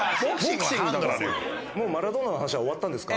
もうマラドーナの話終わったんですか？